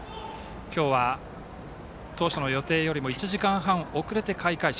今日は、当初の予定よりも１時間半遅れて開会式。